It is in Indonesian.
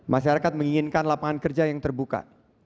masyarakat menginginkan lapangan kerja yang terbuka